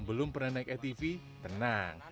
belum pernah naik atv tenang